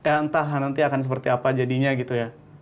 entah nanti akan seperti apa jadinya gitu ya